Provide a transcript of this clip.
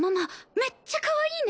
めっちゃかわいいね！